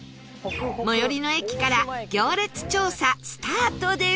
最寄りの駅から行列調査スタートです